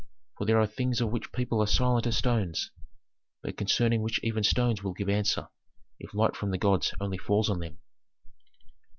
For there are things of which people are silent as stones, but concerning which even stones will give answer if light from the gods only falls on them.